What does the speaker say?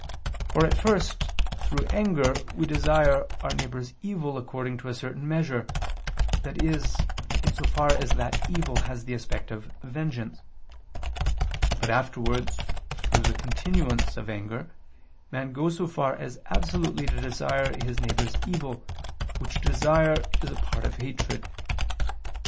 For at first, through anger, we desire our neighbor's evil according to a certain measure, that is in so far as that evil has the aspect of vengeance: but afterwards, through the continuance of anger, man goes so far as absolutely to desire his neighbor's evil, which desire is part of hatred.